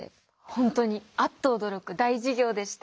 本当にアッと驚く大事業でした！